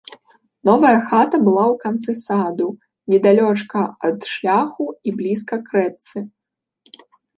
Новая хата была ў канцы саду, недалёчка ад шляху і блізка к рэчцы.